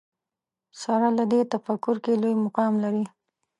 سره له دې تفکر کې لوی مقام لري